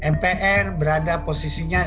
mpr berada posisinya